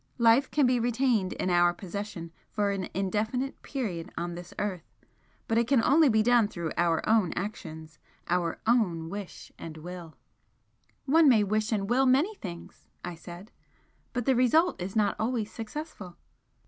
Life can be retained in our possession for an indefinite period on this earth, but it can only be done through our own actions our own wish and will." I looked at him questioningly. "One may wish and will many things," I said "But the result is not always successful."